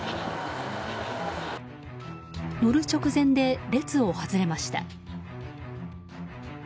乗る直前で列を外れました。